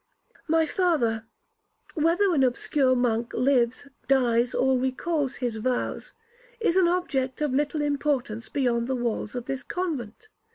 'My father, whether an obscure monk lives, dies, or recalls his vows, is an object of little importance beyond the walls of his convent.